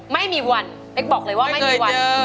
ไม่มีวันเป๊กบอกเลยว่าไม่มีวัน